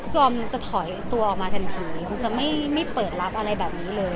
ยอมจะถอยตัวออกมาทันทีคือจะไม่เปิดรับอะไรแบบนี้เลย